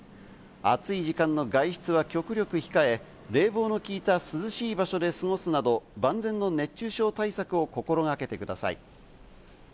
暑い時間の外出は極力控え、冷房の効いた涼しい場所で過ごすなど万全の熱中症対策を心がけてください。